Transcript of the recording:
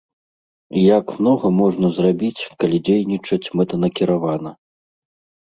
І як многа можна зрабіць, калі дзейнічаць мэтанакіравана.